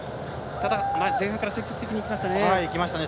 ただ、前半から積極的にいきましたね。